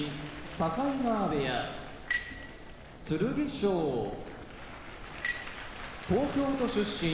境川部屋剣翔東京都出身